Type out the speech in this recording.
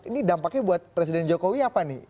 ini dampaknya buat presiden jokowi apa nih